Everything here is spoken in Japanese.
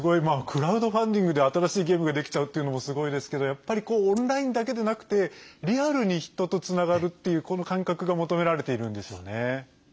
クラウドファンディングで新しいゲームができちゃうっていうのもすごいですけどやっぱりオンラインだけでなくてリアルに人とつながるっていうこの感覚が求められているんですよね。